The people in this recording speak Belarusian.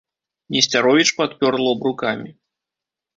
Несцяровіч падпёр лоб рукамі.